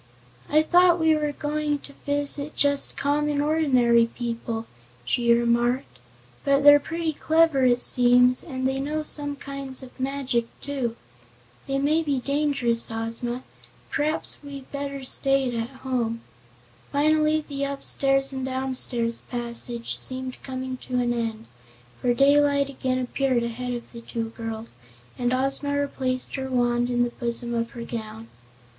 "I'd thought we were going to visit just common, ordinary people," she remarked, "but they're pretty clever, it seems, and they know some kinds of magic, too. They may be dangerous, Ozma. P'raps we'd better stayed at home." Finally the upstairs and downstairs passage seemed coming to an end, for daylight again appeared ahead of the two girls and Ozma replaced her wand in the bosom of her gown.